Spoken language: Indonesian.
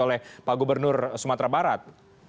oleh pak gubernur sumatera barat